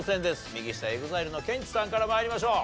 右下ＥＸＩＬＥのケンチさんから参りましょう。